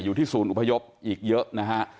อยู่ที่ศูนย์อบพยภอีกเยอะนะคะ